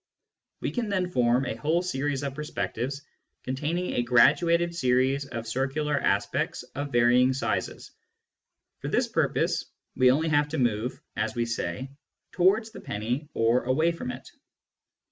We can then form a whole series of perspectives containing a graduated series of circular aspects of varying sizes : for this purpose we only have to move (as we say) towards the penny or away from it.